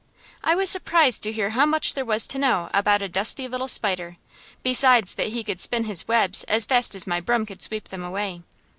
I was surprised to hear how much there was to know about a dusty little spider, besides that he could spin his webs as fast as my broom could sweep them away.